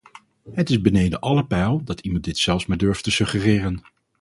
Het is beneden alle peil dat iemand dit zelfs maar durft te suggereren.